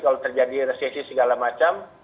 kalau terjadi resesi segala macam